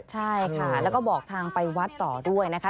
ใช่ค่ะแล้วก็บอกทางไปวัดต่อด้วยนะคะ